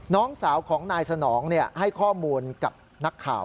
น้องสาวของนายสนองให้ข้อมูลกับนักข่าว